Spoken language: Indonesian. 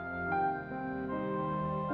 bisa kita berbicara dulu ya kak